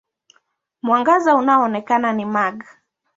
Mwangaza unaoonekana ni mag.